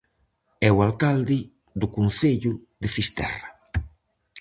É o alcalde do concello de Fisterra.